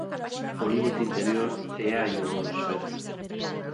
O límite interior é a ionosfera.